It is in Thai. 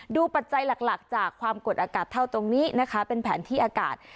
ปัจจัยหลักจากความกดอากาศเท่าตรงนี้นะคะเป็นแผนที่อากาศ